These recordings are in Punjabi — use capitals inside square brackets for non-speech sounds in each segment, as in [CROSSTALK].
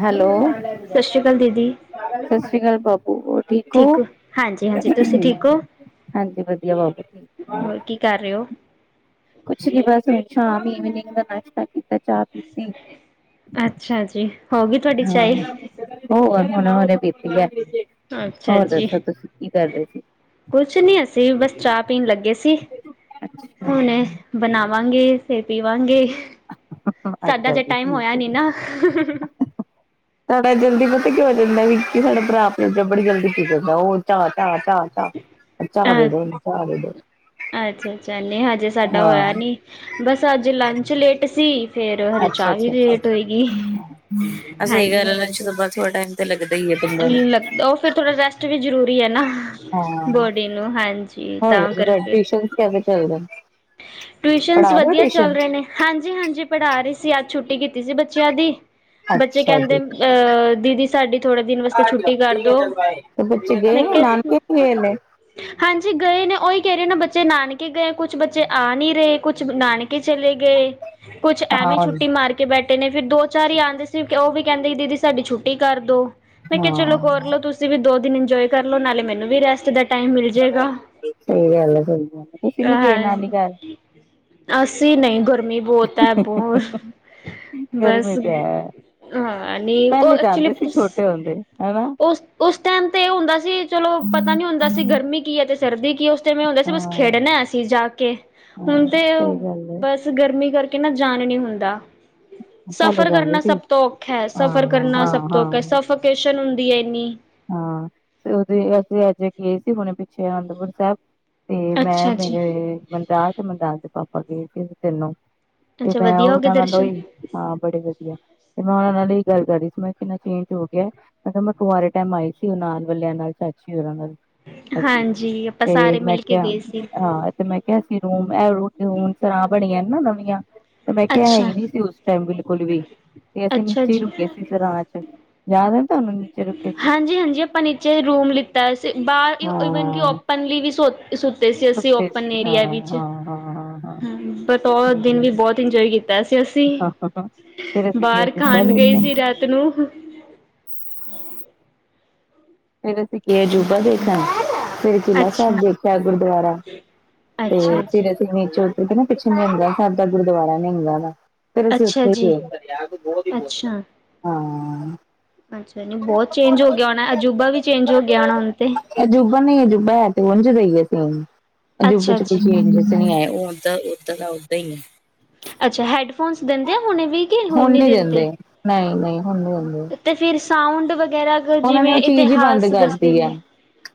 ਹੈਲੋ। ਸਤਿ ਸ਼੍ਰੀ ਅਕਾਲ ਦੀਦੀ ਸਤਿ ਸ੍ਰੀ ਅਕਾਲ ਬਾਪੂ ਹੋਰ ਠੀਕ ਹੋ ਹਾਂਜੀ ਹਾਂਜੀ ਤੁਸੀਂ ਠੀਕ ਹੋ ਹਾਂਜੀ, ਵਧੀਆ ਬਹੁ ਹੋਰ ਕੀ ਕਰ ਰਹੇ ਹੋ ਕੁਛ ਨਹੀਂ ਬਸ ਸ਼ਾਮ ਇਵਨਿੰਗ ਦਾ ਨਾਸ਼ਤਾ ਕੀਤਾ। ਚਾਹ ਪੀਤੀ ਅੱਛਾ ਜੀ ਹੋ ਗਈ ਤੁਹਾਡੀ ਹਾਂ। ਚਾਏ ਹੋਰ ਹੁਣ ਹੇਨੇ ਪਿਤੀ ਹੈ ਅੱਛਾ ਹੋਰ ਜੀ ਦੱਸੋ ਤੁਸੀਂ ਕੀ ਕਰਦੇ ਸੀ। ਕੁਛ ਨੀ ਅਸੀਂ ਬਸ ਚਾਹ ਪੀਣ ਲੱਗੇ ਸੀ ਹੁਣੇ ਬਣਾਵਾਂਗੇ ਸਿਰ ਪੀਵਾਂਗੇ। ਸਾਡਾ ਅੱਛਾ ਜੇ ਜੀ ਟਾਈਮ ਹੋਇਆ ਠੀਕ ਨੀ ਹੈ ਨਾ। ਸਾਡਾ ਜਲਦੀ ਪਤਾ ਕਿ ਹੋ ਜਾਂਦਾ ਵੀ ਸਾਡਾ ਭਰਾ ਆਪਣੇ ਬੜੀ ਜਲਦੀ ਕੀਤਾ ਉਹ ਚ ਚ ਚਾਹ ਚ ਚਾਹ ਵੋ ਚਾਹ ਵੋ। ਅੱਛਾ ਅੱਛਾ ਨਹੀਂ ਹਜੇ ਸਾਡਾ ਹੋਇਆ ਨਹੀਂ ਬਸ ਅੱਜ ਲੰਚ ਲੇਟ ਸੀ। ਫੇਰ ਹਜੇ ਅੱਛਾ ਚਾਹ ਵੀ ਅੱਛਾ ਅੱਛਾ ਲੇਟ ਅੱਛਾ ਹੋਏਗੀ ਆ ਸਹੀ ਹਾਂਜੀ ਗੱਲ ਹੈ ਲੰਚ ਹਾਂਜੀ। ਤੋਂ ਥੋੜਾ ਬਾਅਦ ਟਾਈਮ ਤੇ ਲੱਗਦਾ ਹੀ ਹੈ ਬੰਦਾ ਨੂੰ। ਲੱਗਦਾ ਉਹ ਫੇਰ ਥੋੜਾ ਰੈਸਟ ਵੀ ਜਰੂਰੀ ਐ ਨਾ। ਹਾਂ ਬੋਡੀ ਨੂੰ ਹਾਂਜੀ ਹੋਰ ਤਾਂ ਦੱਸੋ ਤੁਹਾਡੀ ਕਰਕੇ। ਟਿਊਸ਼ਨ ਕਿਵੇਂ ਚੱਲਦੇ ਨੇ ਪੜ੍ਹਾ ਟਿਊਸ਼ਨਸ ਰਹੇ ਹੋ ਵਧੀਆ ਟਿਊਸ਼ਨ? ਚੱਲ ਰਹੇ ਨੇ। ਹਾਂਜੀ ਹਾਂਜੀ ਪੜ੍ਹਾ ਰਹੀ ਸੀ ਅੱਜ ਛੁੱਟੀ ਕੀਤੀ ਸੀ ਬੱਚਿਆਂ ਦੀ ਬੱਚੇ ਅੱਛਾ ਕਹਿੰਦੇ ਜੀ। ਆਹ ਦੀਦੀ ਸਾਡੀ ਥੋੜਾ ਮੈਂ ਕਿਹਾ [UNINTELLIGIBLE] ਹਾਂਜੀ ਗਏ ਨੇ ਉਹੀ ਕਹਿ ਰਹੇ ਨਾ ਬੱਚੇ ਨਾਨਕੇ ਗਏ ਕੁਛ ਬੱਚੇ ਆ ਨਹੀਂ ਰਹੇ ਕੁਛ ਨਾਨਕੇ ਚਲੇ ਗਏ ਕੁੱਛ ਐਵੇ ਹੀ ਹਾਂ ਛੁੱਟੀ ਮਾਰ ਕੇ ਬੈਠੇ ਨੇ, ਫਿਰ ਦੋ-ਚਾਰ ਈ ਆਂਦੇ ਸੀ। ਓ ਵੀ ਕੈਂਦੇ ਕਿ ਦੀਦੀ ਸਾਡੀ ਛੁੱਟੀ ਕਰ ਦੋ। ਮੈਂ ਕਿਆ ਚਲੋ ਹਾਂ ਕਰਲੋ, ਤੁਸੀਂ ਵੀ ਦੋ ਦਿਨ ਇੰਨਜੋਏ ਕਰ ਲੋ ਨਾਲੇ ਮੈਨੂੰ ਵੀ ਰੈਸਟ ਦਾ ਟਾਈਮ ਮਿਲ ਜੇਗਾ? ਸਹੀ ਗੱਲ ਹੈ ਸਹੀ ਗੱਲ ਹੈ। ਤੁਸੀਂ ਨੀ ਗਏ ਨਾਨੀ ਘਰ? ਅਸੀਂ ਨਹੀਂ ਗਰਮੀ ਬਹੁਤ ਹੈ ਬਹੁਤ ਬਸ ਗਰਮੀ ਤੇ ਹੈ ਹਾਂ ਨਹੀਂ ਉਹ ਪਹਿਲੇ ਐਕਚੁਲੀ ਜਾਂਦੇ ਸੀ ਛੋਟੇ ਹੁੰਦੇ ਹਨਾ ਹਾਂ। ਓਸ-ਓਸਟਾਈਮ ਤੇ ਓ ਹੁੰਦਾ ਸੀ ਚਲੋ ਪਤਾ ਨੀ ਹੁੰਦਾ ਸੀ। ਗਰਮੀ ਕੀ ਐ ਤੇ ਸਰਦੀ ਕਿ ਉਸ ਟਾਈਮ ਏਹ ਹੁੰਦਾ ਸੀ ਬਸ ਹਾਂ ਖੇਡਣਾ ਅਸੀਂ ਜਾ ਕੇ, ਹੁਣ ਤੇ ਔ ਸਹੀ ਬੱਟ ਗੱਲ ਹੈ ਬਸ ਗਰਮੀ ਕਰਕੇ ਨਾ ਜਾਨ ਨੀ ਹੁੰਦਾ। ਪਹਿਲੇ ਸਫ਼ਰ ਜਾਂਦੇ ਕਰਨਾ ਸੀ ਸਭ ਤੋਂ ਔਖਾ ਹੈ। ਹਾਂ ਸਫ਼ਰ ਕਰਨਾ ਹਾਂ ਸਭ ਤੋਂ ਕਸੱਟ। ਹਾਂ। ਤਾਂ ਫਕੇਸ਼ਨ ਹੁੰਦੀ ਹੈ ਇੰਨੀ। ਹਾਂ ਤੇ ਉਦ ਅਸੀਂ ਅੱਜ ਗਏ ਸੀ ਹੁਣੇ ਪਿੱਛੇ ਅਨੰਦਪੁਰ ਸਾਹਿਬ ਤੇ ਮੈਂ ਅੱਛਾ ਜੀ ਮੇਰੇ ਮਨਰਾਜ ਤੇ ਮਨਰਾਜ ਦੇ ਪਾਪਾ ਗਏ ਸੀ ਤੀਨੋ। ਉਹਤੇ ਅੱਛਾ [UNINTELLIGIBLE] ਮੈਂ ਵਧੀਆ ਹੋ ਗਏ ਉਹਤੇ ਮੈਂ [UNINTELLIGIBLE] ਦਰਸ਼ਨ ਲੋਈ ਹਾਂ ਬੜੇ ਵਧੀਆ ਤੇ ਮੈ ਓਹਨਾ ਨਾਲ ਇ ਗੱਲ ਕਰਦੀ ਸੀ ਮੈਂ ਕਿੰਨਾ ਚੇਂਜ ਹੋ ਗਿਆ ਮਤਲਬ ਮੈਂ ਕਿਹਾ ਕੁ ਟਮ [UNINTELLIGIBLE] ਆਾਈ ਸੀ ਉਹ ਨਾਲ ਵਾਲਿਆਂ ਨਾਲ, ਚਾਚੀ ਓਰਾ ਨਾਲ। ਅਸੀ, ਹਾਂਜੀ ਆਪਾਂ ਤੇ ਸਾਰੇ ਮੈਂ ਮਿਲ ਕੇ ਕਿਹਾ, ਗਏ ਸੀ ਹਾਂ। ਤੇ ਮੈਂ ਕਿਹਾ ਸੀ ਰੂਮ ਐਹ ਸਰਾਂ ਬਣੀਆਂ ਨਾ ਨਵੀਆਂ। ਤੇ ਮੈਂ ਕਿਹਾ, ਹੈ ਅੱਛਾ ਹੀ ਨਹੀਂ ਸੀ ਉਸ ਟਾਈਮ ਬਿਲਕੁਲ ਵੀ, ਤੇ ਅਸੀਂ ਅੱਛਾ ਨੀਚੇ ਹੀ ਜੀ ਰੁਕੇ ਸੀ। ਸਰਾਂ ਚ, ਯਾਦ ਏ ਤੁਹਾਨੂੰ ਨੀਚੇ ਰੁਕੇ ਸੀ ਹਾਂਜੀ ਹਾਂਜੀ ਆਪਾਂ ਨੀਚੇ ਰੂਮ ਲਿ ਬਾਹਰ ਈਵਨ ਕਿ ਹਾਂ ਓਪਨਲੀ ਵੀ ਸੁੱਤੇ ਸੀ ਅਸੀਂ ਸੁੱਤੇ ਓਪਨ ਸੀ ਹਾਂ ਏਰੀਆ ਵਿੱਚ ਹਾਂ ਹਾਂ ਹਾਂ ਹਾਂ ਬਟ ਉਹ ਤੇ ਦਿਨ ਵੀ ਬਹੁਤ ਇੰਜੋਏ ਕੀਤਾ। ਵੈਸੇ ਅਸੀਂ, ਫੇਰ ਅਸੀਂ ਗਏ ਬਾਹਰ ਅਜੂਬਾ ਖਾਣ ਗਏ ਦੇਖਣ ਸੀ ਰਾਤ ਨੂੰ। ਫੇਰ ਅਸੀਂ ਗਏ ਅਜੂਬਾ ਦੇਖਣ। ਫਿਰ ਕਿਲ੍ਹਾ ਅੱਛਾ ਸਾਹਿਬ ਦੇਖਿਆ ਗੁਰਦੁਆਰਾ ਤੇ ਅੱਛਾ ਜੀ ਫਿਰ ਅਸੀਂ ਨੀਚੇ ਉਥੇ ਨਾ ਪਿੱਛੇ ਨਿਹੰਗਾ ਸਾਹਿਬ ਦਾ ਗੁਰਦੁਆਰਾ ਨਿਹੰਗਾ ਦਾ। ਫੇਰ ਸੀ ਅੱਛਾ ਉਥੇ ਜੀ ਗਏ, ਪਂਜਾਬ ਤਾਂ ਬ੍ਹੋਤ ਹੀ ਬੋਲਦੇ, ਅੱਛਾ ਹਾਂ ਆਂ ਆਂ। ਅੱਛਾ ਨੀ ਬਹੁਤ ਚੇਂਜ ਹੋ ਗਿਆ ਹੋਣਾ, ਅਜੂਬਾ ਵੀ ਚੇਂਜ ਹੋ ਗਿਆ ਹੋਣਾ ਹੁਣ ਤੇ। ਅਜੂਬਾ ਨਹੀਂ ਹੈ ਅਜੂਬਾ, ਤੇ ਉਝ [UNINTELLIGIBLE] ਦਾ, ਤੇ ਅਜੂਬੇ ਅੱਛਾ ਚ ਕੁਝ ਜੀ [UNINTELLIGIBLE] ਚੇਂਜ ਤਾਂ ਨਹੀ ਆਇਆ। ਉਦ ਉੱਦਾਂ ਦਾ ਉਦਾਂ ਹੀ। ਅੱਛਾ ਹੈਡਫੋਨਸ ਦਿੰਦੇ ਆ ਹੁਣੇ ਵੀ ਹੁਣ ਨੀ ਦਿੰਦੇ ਨਹੀਂ- ਨਹੀਂ ਹੁਣ ਨੀ ਦਿੰਦੇ। ਤੇ ਫਿਰ ਸਾਊਂਡ ਵਗੈਰਾ, ਉਹਨਾਂ ਨੇ ਜਿਵੇਂ ਉਹ ਚੀਜ਼ ਹੀ ਬੰਦ ਇਤਿਹਾਸ ਦੱਸਦੇ ਕਰਤੀ ਹੈ ਨੇ।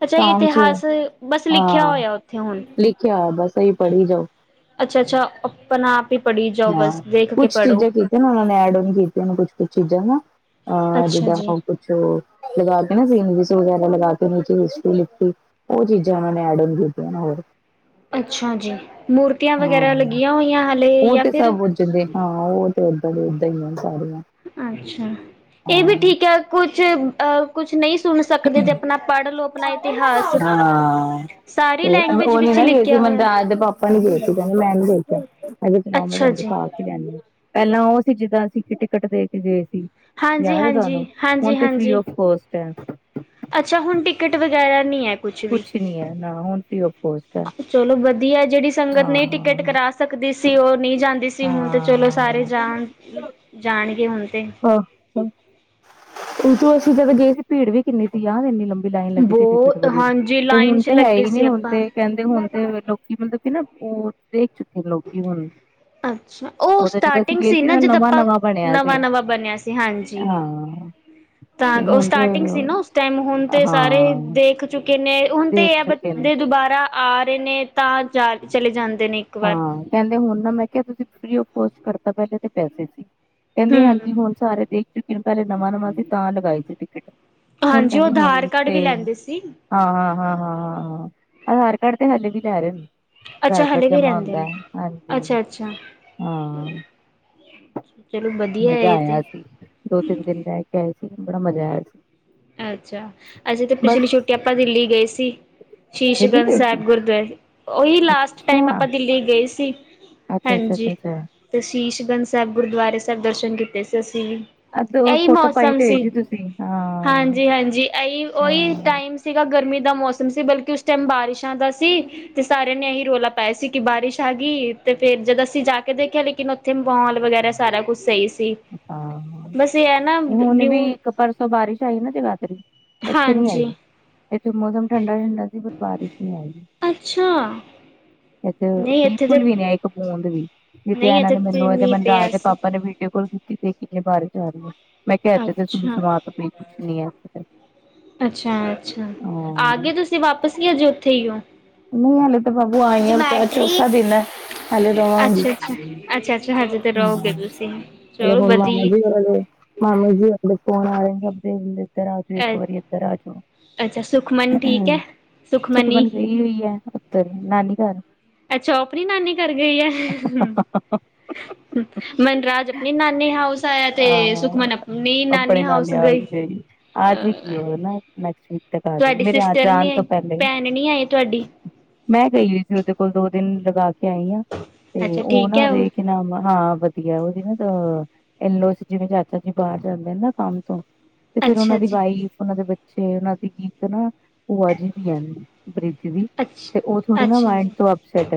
ਅੱਛਾ, ਸਾਊਂਡ ਚ ਇਤਿਹਾਸ ਬਸ ਲਿਖਿਆ ਹਾਂ। ਹੋਇਆ ਉੱਥੇ ਹੁਣ। ਲਿਖਿਆ, ਬਸ ਏਹੀ ਪੜ੍ਹੀ ਜਾਓ। ਅੱਛਾ ਅੱਛਾ। ਪਨ ਆਪ ਹੀ ਪੜੀ। ਹਾਂ, ਕੁਛ ਚੀਜ਼ਾਂ ਕੀਤੀਆਂ ਨੇ ਉਹਨਾਂ ਨੇ ਐਡ ਔਨ ਕੀਤੀਆਂ ਨੇ ਕੁੱਛ- ਕੁੱਛ ਚੀਜ਼ਾਂ ਨਾ। [UNINTELLIGIBLE] [UNINTELLIGIBLE] ਉਹ ਅੱਛਾ ਜੀ ਚੀਜ਼ਾਂ, ਉਹਨਾਂ ਨੇ ਐਡ ਓਨ ਕੀਤੀਆਂ ਨੇ ਹੋਰ। ਅੱਛਾ ਜੀ ਮੂਰਤੀਆਂ ਵਗੈਰਾ ਹਾਂ। ਲੱਗੀਆਂ ਹੋਈਆਂ ਹਾਲੇ ਉਹ ਜਾਂ ਤੇ ਫਿਰ ਸਭ ਉਝ ਹਾਂ, ਉਹ ਤੇ ਉਦਾਂ ਦੇ ਉਦਾਂ ਹੀ ਏ ਸਾਰੀਆਂ। ਅੱਛਾ, ਇਹ ਵੀ ਹਾਂ। ਠੀਕ ਹੈ ਕੁਛ, ਅਹ ਕੁਛ ਨਹੀਂ ਸੁਣ ਸਕਦੇ ਤੇ। ਆਪਣਾ ਪੜ੍ਹ ਲੋ। ਆਂਦੇ [UNINTELLIGIBLE] ਹਾਂ, ਹਾਂ ਤੇ ਸਾਰੀ ਲੈਂਗੁਏਜ ਉਹ ਨਹੀਂ ਵਿੱਚ ਨਾ ਗਏ ਸੀ ਲਿਖਿਆ ਹੋਇਆ ਮੈਨਰਾਜ ਦੇ ਪਾਪਾ। ਆਪਾਂ ਨੀ ਦੇਖਤੀ ਕਹਿੰਦੇ ਮੈਂ ਨੀ ਦੇਖ ਅ ਮੈਂ ਅੱਛਾ ਲਿਆਂਦੀ ਜੀ ਪਹਿਲਾਂ ਉਹ ਸੀ ਜਿੱਦਾਂ ਅਸੀਂ ਕਿ ਟਿਕਟ ਦੇ ਕੇ ਗਏ ਸੀ। ਹਾਂਜੀ ਯਾਦ ਹੈ ਤੁਹਾਨੂੰ ਹਾਂਜੀ ਹੁਣ ਹਾਂਜੀ ਤੇ ਫ੍ਰੀ ਹਾਂਜੀ ਆਫ ਕਸਟ ਹੈ। ਅੱਛਾ, ਹੁਣ ਟਿਕਟ ਵਗੈਰਾ ਨਹੀਂ ਹੈ। ਕੁੱਛ ਵੀ ਕੁਛ ਨੀ ਹੈ ਨਾ ਹੁਣ ਫ੍ਰਰੀ ਆਫ ਕੋਸਟ ਹੈ ਚਲੋ ਵਧੀਆ ਜਿਹੜੀ ਸੰਗਤ ਨਹੀ ਟਿਕਟ ਹਾਂ ਕਰਾ ਸਕਦੀ ਸੀ ਉਹ ਨਹੀਂ ਜਾਂਦੀ ਸੀ ਹੁਣ ਤੇ ਚਲੋ ਹਾਂ ਸਾਰੇ ਜਾਣ ਜਾਣਗੇ ਹੁਣ ਤੇ ਹਾਂ, ਆਹ ਉਦੋਂ ਅਸੀਂ ਜਦ ਗਏ ਸੀ ਭੀੜ ਵੀ ਕਿੰਨੀ ਸੀ ਯਾਦ ਇੰਨੀ ਲੰਬੀ ਆ। ਲਾਈਨ ਲੱਗੀ ਸੀ ਟਿਕਟ ਬਹੁਤ ਵਾਲੀ ਹਾਂਜੀ ਤੇ ਲਾਈਨ ਹੁਣ ਚ ਤੇ ਹੈ ਲੱਗੇ ਹੀ ਨੀ ਸੀ ਹੁਣ ਆਪਾਂ ਤੇ। ਕਹਿੰਦੇ ਹੁਣ ਤੇ ਲੋਕੀ ਮਤਲਬ ਕਿ ਨਾ ਉਹ ਦੇਖ ਚੁੱਕੇ ਲੋਕੀ ਹੁਣ, ਅੱਛਾ ਉਹ ਉਦੋਂ ਜਦੋਂ ਅਸੀਂ ਸਟਾਰਟਿੰਗ ਗਏ ਸੀ ਨਾ ਜਦ ਨਵਾਂ ਆਪਾਂ ਨਵਾਂ ਬਣਿਆ ਸੀ। ਨਵਾਂ-ਨਵਾਂ ਬਣਿਆ ਸੀ ਹਾਂਜੀ। ਹਾਂ ਤਾਂ ਤੇ ਉਹ ਹੁਣ ਤੇ ਸਟਾਰਟਿੰਗ ਸੀ ਨਾ ਉਸ ਟਾਈਮ ਹੁਣ ਤੇ ਸਾਰੇ ਹਾਂ ਦੇਖ ਕਿਊਂਕੀ ਇਨੇ ਹੁਣ ਤੇ ਦੇਖ ਹੈ ਚੁੱਕੇ ਨੇ ਬਂਦੇ ਦੁਬਾਰਾ ਆ ਰਹੇ ਨੇ ਤਾਂ ਜਾ ਚਲੇ ਜਾਂਦੇ ਨੇ ਇੱਕ ਵਾਰ ਹਾਂ ਕਹਿੰਦੇ ਹੁਣ ਨਾ, ਮੈਂ ਕਿਹਾ ਤੁਸੀਂ ਫ੍ਰੀ ਆਫਕੋਰਸ ਕਰ ਤਾ ਪਹਿਲੇ ਪੈਸੇ ਸੀ। ਕਹਿੰਦੇ ਹੂੰ ਹਾਂਜੀ, ਹੁਣ ਸਾਰੇ ਦੇਖ ਚੁੱਕੇ ਨੇ, ਪਹਿਲੇ ਨਵਾਂ ਨਵਾਂ ਸੀ ਤਾਂ ਲਗਾਈ ਸੀ ਟਿਕਟ। ਹੁਣ ਹਾਂਜੀ ਉਹ ਕਹਿੰਦੀ ਆਧਾਰ ਹੁਣ ਕਾਰਡ ਤੇ ਵੀ ਲੈਂਦੇ ਸੀ ਹਾਂ ਹਾਂ ਹਾਂ ਹਾਂ ਹਾਂ ਹਾਂ ਆਧਾਰ ਕਾਰਡ ਤੇ ਹਲੇੇ ਵੀ ਲੈ ਰਹੇ ਹੈ। ਅੱਛਾ ਆਧਾਰ ਕਾਰਡ ਹਲੇ ਵੀ ਜਮਾ ਰਹਿੰਦੇ ਹੁੰਦਾ ਆ ਹਾਂਜੀ ਅੱਛਾ ਅੱਛਾ। ਹਾਂ ਚਲੋ ਵਧੀਆ ਹੈ ਮਜ਼ਾ ਇਹ ਤੇ। ਆਇਆ ਸੀ ਦੋ ਤਿੰਨ ਦਿਨ ਰਹਿ ਕੇ ਆਏ ਸੀ, ਬੜਾ ਮਜ਼ਾ ਆਇਆ ਸੀ। ਅੱਛਾ ਅੱਛਾ ਤੇ ਪਿਛਲੀ ਬਸ ਛੁੱਟੀ ਆਪਾਂ ਦਿੱਲੀ ਗਏ ਸੀ ਸ਼ੀਸ਼ ਦਿੱਲੀ ਗੰਜ ਗਈ ਸਾਹਿਬ ਸੀ ਗੁਰਦੁਆਰੇ। ਉਹੀ ਲਾਸਟ ਟਾਈਮ ਅੱਛਾ ਆਪਾਂ ਦਿੱਲੀ ਗਏ ਸੀ ਅੱਛਾ ਅੱਛਾ ਹਾਂਜੀ। ਅੱਛਾ ਅੱਛਾ ਤੇ ਸ਼ੀਸ਼ਗੰਜ ਸਾਹਿਬ ਗੁਰਦੁਆਰੇ ਸਾਹਿਬ ਦਰਸ਼ਨ ਕੀਤੇ ਸੀ ਅਸੀਂ ਵੀ ਅੱਧ ਇਹੀ ਫੋਟੋ ਪਾਈ ਮੌਸਮ ਤੇ ਹੋਈ ਸੀ। ਤੁਸੀਂ ਹਾਂ ਹਾਂਜੀ ਹਾਂਜੀ, ਏਈ, ਉਹੀ ਹਾਂ ਟਾਈਮ ਸੀ ਗਾ ਗਰਮੀ ਦਾ ਮੌਸਮ ਸੀ, ਬਲਕਿ ਉਸ ਟਾਈਮ ਬਾਰਿਸ਼ਾਂ ਦਾ ਸੀ। ਤੇ ਸਾਰਿਆਂ ਨੇ ਇਹੀ ਰੌਲਾ ਪਾਇਆ ਸੀ ਕਿ ਬਾਰਿਸ਼ ਆ ਗਈ ਤੇ ਫੇਰ ਜਦ ਅਸੀਂ ਜਾ ਕੇ ਦੇਖਿਆ ਲੇਕਿਨ ਇੱਥੇ ਮੋਲ ਵਗੈਰਾ ਸਾਰਾ ਕੁਛ ਸਹੀ ਸੀ ਹਾਂ, ਬਸ ਇਹ ਹੈ ਨਾ ਨਿਊ ਉਹ ਬਾਰਿਸ਼ ਆਈ ਨਾ ਜਗਾਧਰੀ, ਇੱਥੇ ਨੀ ਆਈ। ਹਾਂਜੀ ਇੱਥੇ ਮੌਸਮ ਠੰਡਾ ਠੰਡਾ ਸੀ ਪਰ ਬਾਰਿਸ਼ ਨ ਆਈ। ਅੱਛਾ ਇੱਥੇ ਨਹੀਂ ਇੱਥੇ ਤੇ ਬਿਲਕੁਲ ਵੀ ਨੀ ਆਈ ਇੱਕ ਬੂੰਦ ਵੀ ਜਿੱਥੇ ਨਹੀਂ ਇਹਨਾਂ ਇੱਥੇ ਨੇ ਤੇ ਮੈਨੂੰ ਇਹ ਮੀਂਹ ਮੈਨੂੰ ਰਾਜ ਪਿਆ ਦੇ ਸੀ ਪਾਪਾ ਨੇ ਵੀ। ਬਿਲਕੁਲ ਦਿੱਤੀ ਤੇ ਕਿੰਨੇ ਬਾਰੇ ਜਾ ਰਹੀ ਹੈ ਮੈਂ ਕਿਹਾ ਇਥ ਕੋਈ ਅੱਛਾ ਜੁਵਾਕ ਵੀਨੀ ਇਥੇ ਅੱਛਾ, ਅੱਛਾ ‌, ਆ ਗਏ ਤੁਸੀਂ ਵਾਪਿਸ ਕਿ ਅਜੇ ਉੱਥੇ ਹੀ ਹੋ। ਨਹੀਂ ਹਾਲੇ ਤਾਂ ਬਾਾਬੂ ਆਈਆਂ ਚੌਥਾ ਦਿਨ। ਹੈਲੋ ਡਾੱਨ, ਅੱਛਾ-ਅੱਛਾ, ਅੱਛਾ-ਅੱਛਾ ਹਜੇ ਤੇ ਰਹੋਗੇ [UNINTELLIGIBLE] ਤੁਸੀਂ ਚਲੋ ਹੁਣ ਮਾਮਾ ਜੀ ਵਧੀਆ ਵਰਗੇ। ਹਾਂ ਮਮੀ ਜੀ ਆਪਣੇ ਫੋਨ ਆ ਰਹੇ। [UNINTELLIGIBLE] ਕਪੜੇ ਗਿਲੇ ਜਰਾ ਤੁਸੀ ਇੱਕ ਅ ਵਾਰੀ ਇੱਧਰ ਆ ਜਾਓ ਅੱਛਾ ਸੁਖਮਨ ਠੀਕ ਹੈਂ ਹੈ, ਸੁਖ ਸੁਖਮਨੀ ਬਣ ਗਈ ਹੋਈ। ਉੱਤਰ ਨਾਨੀ ਘਰ। ਅੱਛਾ। ਉਹ ਆਪਣੀ ਨਾਨੀ ਘਰ ਗਈ ਹੈ। ਮਨਰਾਜ ਆਪਣੀ ਨਾਨੀ ਹਾਊਸ ਆਇਆ ਤੇ ਹਾਂ ਸੁਖਮਨ ਆਪਣੀ ਨਾਨੀ ਹਾਊਸ ਗਈ। ਆਜ ਕੀ ਅ ਹੋ ਨਾ ਨੈਕਸਟ ਵੀਕ ਤੱਕ ਆ ਜਾ ਮੇਰੇ ਅਜ ਆਣ ਤੋਂ ਪਹਿਲੇ ਨ ਆਏ ਤੁਹਾਡੀ। ਮੈਂ ਗਈ ਹੋਈ ਸੀ ਉਹਦੇ ਕੋਲ ਦੋ ਦਿਨ ਲਗਾ ਕੇ ਆਈ ਹਾਂ ਤੇ ਅੱਛਾ ਉਹ ਠੀਕ ਨਾ ਹੈ ਉਹਦੇ ਕੀ ਨਾਮ ਹਾਂ ਵਆ। ਉਹਦੀ ਨਾ ਤਾਂ ਇੰਲੋਸ ਜਿਵੇਂ ਚਾਚਾ ਜੀ ਬਾਹਰ ਜਾਂਦੇ ਨਾ ਕੰਮ ਤੋਂ। ਤੇ ਫੇਿਰ ਉਹਨਾਂ ਅੱਛਾ ਦੀ ਜੀ, ਵਾਈਫ ਉਹਨਾਂ ਦੇ ਬੱਚੇ ਉਹਨਾਂ ਦੀ ਇਕ ਨਾ ਭੂਆਜੀ ਵੀ ਹੈ ਪ੍ਰੀਤੀ ਦੀ। ਅੱਛਾ, ਤੇ ਉਹ ਥੋੜੇ ਨਾ ਅੱਛਾ ਮਾਇੰਡ ਜੀ। ਤੋਂ ਅਪਸੈਟ।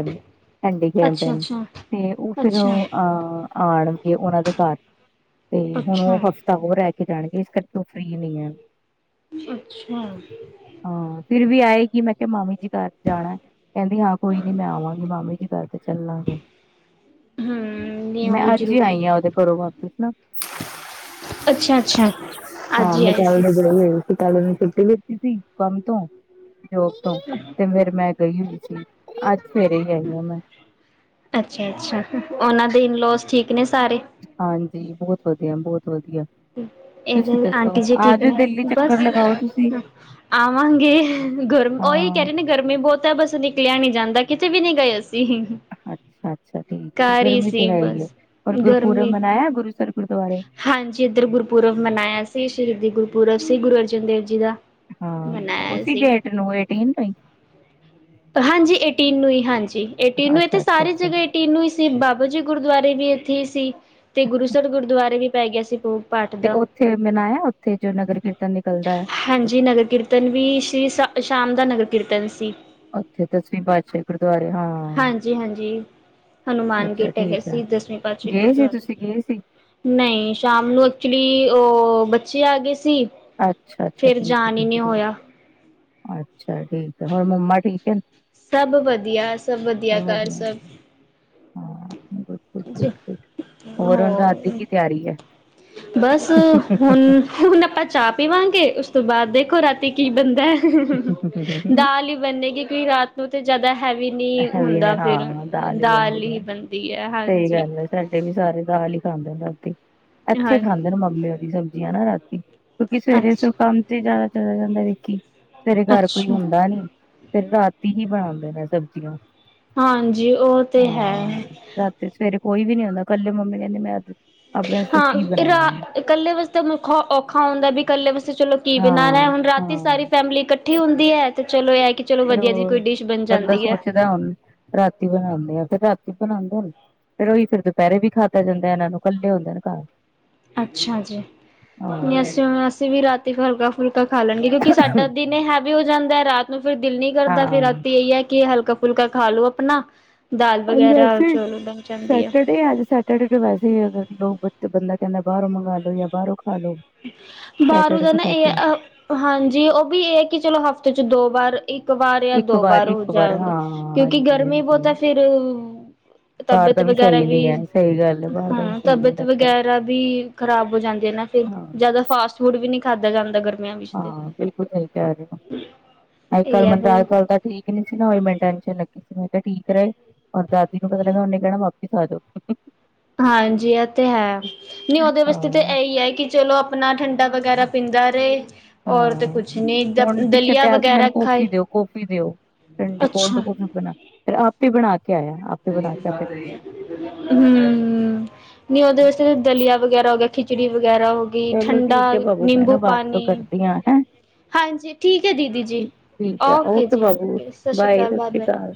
ਸਾਡੇ ਟੈਮ ਟੈਮ ਅੱਛਾ-ਅੱਛਾ, ਤੇ ਉਹ ਫੇਰ ਅੱਛਾ, ਉਹ ਆਹ ਆਣਗੇ ਉਹਨਾਂ ਦੇ ਘਰ ਤੇ ਹੁਣ ਉਹ ਅੱਛਾ, ਤਾਂ ਉਹ ਰੈ ਕੇ ਜਾਣਗੇ ਇਸ ਕਰਕੇ ਮੈ ਫ੍ਰਰੀ ਨਹੀਂ ਹਾਂ। ਅੱਛਾ। ਹਾਂ, ਫੇਰ ਵੀ ਆਏਗੀ, ਮੈਂ ਕਿਹਾ ਮਾਮੀ ਜੀ ਘਰ ਜਾਣਾ ਏ, ਕਹਿੰਦੀ ਹਾਂ ਕੋਈ ਨੀ ਮੈਂ ਆਵਾਂਗੀ। ਨੀ ਮਾਮੇ ਦੀ ਬਾਈਕ ਤੇ ਚੱਲਾਂਗੇ। ਹੂੰ ਨਹੀਂ ਮ ਉਹ ਵੀ ਅੱਜ ਹੀ ਜ਼ਰੂਰੀ ਆਈ ਆ ਉਹਦੇੋਂ ਘਰੋ ਵਾਪਿਸ ਨਾ। ਅੱਛਾ ਅੱਛਾ ਅੱਜ ਹਾਂ, ਹੀ ਮੈਂ ਆਏ ਕਲ [UNINTELLIGIBLE] ਸੀ ਹੋਈ। ਕਲ ਤਾਂ ਛੁੱਟੀ ਲਿਤੀ ਕੰਮ ਤੋਂ ਜੋਬ ਤੋਂ ਤੇ ਫੇਰ ਮੈਂ ਗਈ ਹੋਈ ਸੀ, ਅੱਜ ਸਵੇਰੇ ਹੀ ਗਈ ਹਾ ਮੈਂ। ਅੱਛਾ ਅੱਛਾ, ਉਹਨਾਂ ਦੇ ਇਨ ਲੋਸ ਠੀਕ ਨੇ ਸਾਰੇ। ਹਾਂਜੀ ਬਹੁਤ ਵਧੀਆ ਬਹੁਤ ਵਧੀਆ। ਤੁਸੀਂ ਇਹਦੇ ਦੱਸੋ ਆਂਟੀ ਜੀ ਆ ਠੀਕ ਜੋ ਨੇ ਦਿੱਲੀ ਬਸ ਚੱਕਰ ਲਗਾਓ ਤੁਸੀਂ। ਆਵਾਂਗੇ ਗਰਮ ਉਹੀ ਕਹਿ ਹਾਂ ਰਹੇ ਨੇ ਗਰਮੀ ਬਹੁਤ ਹੈ ਬਸ ਨਿਕਲਿਆ ਨੀ ਜਾਂਦਾ ਕਿਤੇ ਵੀ ਨੀ ਗਏ ਅਸੀਂ। ਅੱਛਾ- ਅੱਛਾ, ਠੀਕ- ਠੀਕ ਘਰ ਹੀ ਗਰਮੀ ਤੇ ਸੀ ਹੈ ਹੀ ਹੈ। ਬਸ ਹੋਰ ਗੁਰਪੁਰਬ ਗਰਮੀ ਮਨਾਇਆ ਗੁਰੂ ਸਰ ਗੁਰਦੁਆਰੇ। ਹਾਂਜੀ ਇੱਧਰ ਗੁਰਪੁਰਬ ਮਨਾਇਆ ਸੀ ਸ਼ਹੀਦੀ ਗੁਰਪੁਰਬ ਸੀ ਗੁਰੂ ਅਰਜਨ ਦੇਵ ਜੀ ਦਾ। ਹਾਂ ਮਨਾਇਆ ਉਸੀ ਸੀ ਡੇਟ ਨੂੰ ਏਟੀਨ ਤੋਂ ਹੀ। ਹਾਂਜੀ ਏਟੀਨ ਨੂੰ ਹੀ ਹਾਂਜੀ ਏਟੀਨ ਨੂੰ ਇਥੇ ਅੱਛਾ ਅੱਛਾ ਸਾਰੇ ਅੱਛਾ ਜਗ੍ਹਾ। ਏਟੀਨੂੰ ਹੀ ਸੀ ਬਾਬਾ ਜੀ ਗੁਰਦੁਆਰੇ ਵੀ ਇੱਥੇ ਹੀ ਸੀ ਤੇ ਗੁਰੂਸਰ ਗੁਰਦੁਆਰੇ ਵੀ ਪੈ ਗਿਆ ਸੀ ਭੋਗ। ਪਾਠ ਤੇ ਦਾ ਉੱਥੇ ਮਨਾਇਆ ਉੱਥੇ ਜੋ ਨਗਰ ਕੀਰਤਨ ਨਿਕਲਦਾ ਹੈ। ਹਾਂਜੀ ਨਗਰ ਕੀਰਤਨ ਵੀ ਸ਼੍ਰੀ ਸ ਸ਼ਾਮ ਦਾ ਨਗਰ ਕੀਰਤਨ ਸੀ। ਉੱਥੇ ਦਸਵੀਂ ਪਾਤਸ਼ਾਹੀ ਗੁਰਦੁਆਰੇ ਹਾਂ। ਹਾਂਜੀ ਹਾਂਜੀ ਅੱਛਾ ਹਨੂੰਮਾਨ ਅੱਛਾ ਗੇਟ ਹੈਗੇ ਠੀਕ ਆ ਸੀ ਦਸਵੀਂ ਪਾਤਸ਼ਾਹੀ ਗਏ ਸੀ ਗੁਰਦੁਆਰੇ ਤੁਸੀਂ ਗਏ ਸੀ। ਨਹੀਂ ਸ਼ਾਮ ਨੂੰ ਐਕਚੁਲੀ ਉਹ ਬੱਚੇ ਆ ਗਏ ਸੀ। ਅੱਛਾ- ਅੱਛਾ ਫਿਰ ਠੀਕ ਐ ਜਾਣ ਹੀ ਨਹੀਂ ਠੀਕ ਹੋਇਆ ਐ ਅੱਛਾ ਠੀਕ। ਤੇ ਹੁਣ ਮੰਮਾ ਠੀਕ ਹੈ ਸਭ ਵਧੀਆ ਸਭ ਘਰ ਵਧੀਆ, ਸਭ ਹਾਂ ਗੁਡ ਗੁਡ ਗੁਡ ਗੁਡ ਹੁਣ ਰਾਤ ਦੀ ਹੋਰ ਕੀ ਤਿਆਰੀ ਹੈ। ਬਸ ਹੁਣ। ਹੁਣ ਆਪਾਂ ਚਾਹ ਪੀਵਾਂਗੇ ਉਸ ਤੋਂ ਬਾਅਦ ਦੇਖੋ ਰਾਤੀ ਕੀ ਬੰਦਾ ਦਾਲ ਹੀ। ਬਣੇਗੀ ਕਈ ਰਾਤ। ਉਹ ਤੇ ਜਿਆਦਾ ਹੈਵੀ ਨਹੀ ਹੈਵੀ ਹੁੰਦਾ ਨੇ ਫਿਰ ਹਾਂ ਦਾਲ ਬਣਦੀ ਹੀ ਹੈ। ਬਣਦੀ ਹੈ ਹਾਂਜੀ। ਸਹੀ ਗੱਲ ਹੈ ਸਾਡੇ ਵੀ ਸਰੇ ਦਾਲ ਹੀਈ ਖਾਂਦੇ ਰਾਤੀ ਹਾਂ ਇੱਥੇ ਖਾਂਦੇ ਨੇ ਮੰਮੀ ਓ ਰੀ ਸਬਜ਼ੀਆਂ ਨਾ ਰਾਤੀ। ਕਿਉਂਕਿ ਸਵੇਰੇ ਸ ਅੱਛਾ ਕੰਮ ਤੇ ਜ਼ਿਆਦਾ ਚਲਾ ਜਾਂਦਾ ਵਿਕੀ ਸਵੇਰੇ ਘਰ ਕੋਈ ਅੱਛਾ ਹੁੰਦਾ ਨੀ। ਫਿਰ ਰਾਤੀ ਹੀ ਬਣਾਉਂਦੇ ਨੇ ਸਬਜ਼ੀਆਂ। ਹਾਂਜੀ ਉਹ ਤੇ ਹਾਂ ਹੈ। ਰਾਤੀ ਸਵੇਰੇ ਕੋਈ ਵੀ ਨੀ ਆਉਂਦਾ ਕੱਲੀ ਮੰਮੀ ਕਹਿੰਦੀ ਮੈਂ ਆਪਣੇ ਵਸਤੇ ਕੀ ਹਾਂ ਰਾ ਬਣਾਉਣਾ ਏ ਇਕੱਲੇ ਵਾਸਤੇ ਮੁੱਖਾ ਔਖਾ ਹੁੰਦਾ ਵੀ ਇਕੱਲੇ ਵਾਸਤੇ ਚਲੋ ਕੀ ਬਣਾਣਾ ਹਾਂ ਹੁਣ ਰਾਤੀ ਹਾਂ ਸਾਰੀ। ਫੈਮਲੀ ਇਕੱਠੀ ਹੁੰਦੀ ਹੈ ਤੇ ਚਲੋ ਇਹ ਹੈ ਕਿ ਚਲੋ ਵਧੀਆ ਜਿਹੀ ਕੋਈ ਡਿਸ਼ ਬਣ ਜਾਂਦੀ ਹੈ। ਉਹਨ ਰਾਤੀ ਬਣਾਉਂਦੇ ਆ ਫਿਰ ਰਾਤੀ ਬਣਾਉਂਦੇ। ਫਿਰ ਉਹੀ ਫਿਰ ਦੁਪਹਿਰੇ ਵੀ ਖਾਤਾ ਜਾਂਦਾ ਇਹ ਨੂੰ ਇਕੱਲੇ ਹੁੰਦੇ ਨੇ ਘਰ। ਅੱਛਾ ਜੀ ਨਹੀਂ ਹਾਂ ਅਸੀਂ ਅਸੀਂ ਵੀ ਰਾਤੀ ਹਲਕਾ ਫੁਲਕਾ ਖਾ ਲੈਣਗੇ ਕਿਉਂਕਿ ਸਾਡਾ ਦਿਨ ਹੈ। ਵੀ ਹੋ ਜਾਂਦਾ ਰਾਤ ਨੂੰ ਫਿਰ ਦਿਲ ਨੀ ਕਰਦਾ ਫਿਰ ਹਾਂ ਰਾਤੀ ਇਹੀ ਹੈ ਕਿ ਹਲਕਾ ਫੁਲਕਾ ਖਾ ਲੋੋ ਆਪਣਾ। ਦਾਲ ਵਗੈਰਾ ਚਲੋ ਬਣ ਜਾਂਦੀ ਹੈ। ਤੇ ਅੱਜ ਸਾ ਤੁਹਾਡੇ ਤੇ ਵੈਸੇ ਹੀ ਆਦਤ ਲੋਕ ਬੱਚ, ਬੰਦਾ ਕਹਿੰਦਾ ਬਾਹਰੋਂ ਮੰਗਾਲੋ ਯਾ ਬਾਹਰੋ ਬਾਹਰੋਂ ਦਾ ਨਾ ਹੀ ਇਹ ਹਾਂਜੀ ਉਹ ਵੀ ਇਹ ਹੈ ਕਿ ਚਲੋ ਹਫ਼ਤੇ ਚ ਦੋ ਵਾਰ। ਇੱਕ-ਵਾਰ ਯਾ ਇੱਕ ਵਾਰ ਦੋ-ਵਾਰ ਹੋ ਇੱਕ ਵਾਰ ਜਾਓਂਦੇ, ਹਾਂ ਕਿਉਂਕਿ ਹਾਂਜੀ ਗਰਮੀ ਹਾਂਜੀ ਬਹੁਤਾ ਫਿਰ ਬਾਹਰ ਤਬੈਅਤ ਦਾ ਵਗੈਰਾ ਸਹੀ ਵੀ, ਨੀ ਹੈ ਸਹੀ ਗੱਲ ਹੈ ਬਾਹਰ ਦਾ ਵੀ ਹਾਂ ਸਹੀ ਨੀ ਤਬੈਅਤ ਲੱਗਦਾ ਵਗੈਰਾ ਵੀ ਖ਼ਰਾਬ ਹੋ ਜਾਂਦੀ ਆ ਨਾ ਫਿਰ, ਹਾਂ ਜ਼ਿਆਦਾ ਫਾਸਟ-ਫੂਡ ਵੀ ਨਹੀ ਖਾਧਾ ਜਾਂਦਾ, ਗਰ ਹਾਂ, ਬਿਲਕੁਲ ਸਹੀ ਕਹਿ ਰਹੇ ਹੋ। ਅੱਜ-ਕੱਲ ਇਹ ਮਨ ਆ ਅੱਜ-ਕੱਲ ਦਾ ਠੀਕ ਨਹੀਂ ਸੀ ਨਾ ਮਿੰਟਾਂ ਚ ਲੱਗੀ ਸੀ ਮੈਂ ਕਿਹਾ ਠੀਕ ਰਹੇਏ। ਔਰ ਦਾਦੀ ਨੂੰ ਪਤਾ ਲੱਗਿਆ ਉਹਨੇ ਕਹਿਣਾ ਵਾਪਿਸ ਆ ਜਾਓ ਹਾਂਜੀ, ਇਹ ਤੇ ਹੈ। ਨੀ ਉਹਦੇ ਵਾਸਤੇ ਤਾ ਹਾਂ। ਇਹੀ ਹੈ, ਕਿ ਚਲੋ ਅਪਣਾ ਠੰਡਾ ਵਗੈਰਾ ਪੀਂਦਾ ਰਹੇ ਔਰਤ ਹਾਂ ਕੁਛ ਨਹੀਂ ਦ ਦਲੀਆ ਵਗੈਰਾ ਖਾਏ। ਕੋਫੀ ਦਿਓ। ਠੰਡੀ ਕੋਲਡ ਅੱਛਾ ਕਫੀ ਬਣਾ, ਫਿਰ ਆਪੇ ਹੀ ਬਣਾਕੇ ਆਇਆ, ਆਪ ਹਮ ਨਈ ਉਹਦੇ ਵਾਸਤੇ ਦਲੀਆ ਵਗੈਰਾ ਹੋ ਗਿਆ ਖਿੱਚ। ਖਿਚੜੀ ਵਗੈਰਾ ਹੋ ਗਈ ਚਲੋ ਠੰਡਾ ਠੀਕ ਹੈ ਬਾਬੂ ਮੈਂ ਨਿੰਬੂ ਨਾ ਬਾਅਦ ਚੋਂ ਪਾਣੀ। ਕਰਦੀ ਹਾਂ ਹੈਂ ਹਾਂਜੀ, ਠੀਕ ਹੈ ਦੀਦੀ ਜੀ। ਠੀਕ ਹੈ ਓਕੇ ਜੀ, ਬਾਬੂ ਸਤਿ ਸ੍ਰੀ ਬਾਏ ਅਕਾਲ। ਸਤਿ ਸ੍ਰੀ ਬਾਏ-ਬਾਏ। ਅਕਾਲ।